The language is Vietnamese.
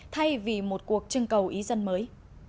thay vì một cuộc trưng cầu ý dân mới